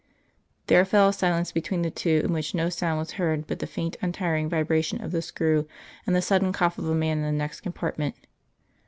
There fell a silence between the two, in which no sound was heard but the faint untiring vibration of the screw, and the sudden cough of a man in the next compartment.